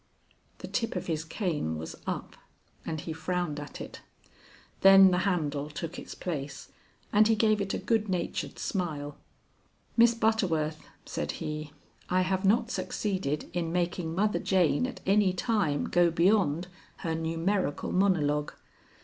The tip of his cane was up, and he frowned at it. Then the handle took its place, and he gave it a good natured smile. "Miss Butterworth," said he, "I have not succeeded in making Mother Jane at any time go beyond her numerical monologue.